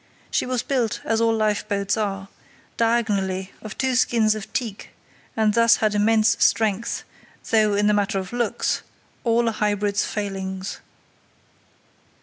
She was built, as all lifeboats are, diagonally, of two skins of teak, and thus had immense strength, though, in the matter of looks, all a hybrid's failings.